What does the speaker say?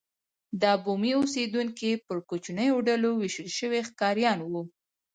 دا بومي اوسېدونکي پر کوچنیو ډلو وېشل شوي ښکاریان وو.